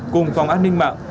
cùng phòng an ninh mạng